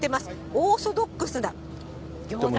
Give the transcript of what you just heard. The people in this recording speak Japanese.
オーソドックスな餃子ですね。